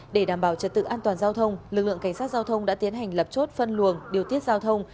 để đảm bảo trật tự an toàn giao thông lực lượng cảnh sát giao thông đã tiến hành lập chốt phân luồng điều tiết giao thông